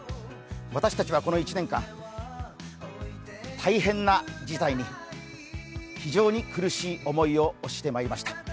私たちはこの１年間、大変な事態に非常に苦しい思いをしてまいりました。